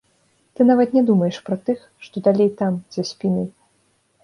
Ты нават не думаеш пра тых, што далей там, за спінай.